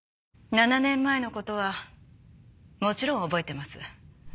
７年前の事はもちろん覚えてます。